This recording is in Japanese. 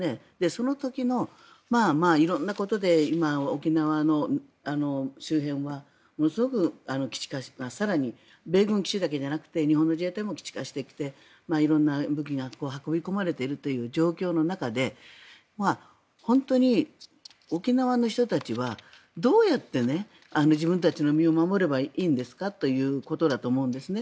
その時の色んなことで今、沖縄の周辺はものすごく基地化が米軍基地だけでなく日本の自衛隊も基地化してきて色んな武器が運び込まれているという状況の中で本当に沖縄の人たちはどうやって自分たちの身を守ればいいんですかということだと思うんですね。